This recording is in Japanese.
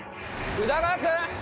宇田川君！